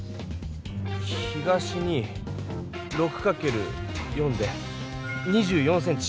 東に６かける４で２４ｃｍ。